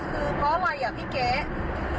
ตอนนี้ก็เปลี่ยนแบบนี้แหละ